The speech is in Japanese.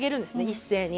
一斉に。